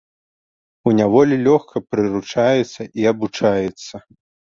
У няволі лёгка прыручаецца і абучаецца.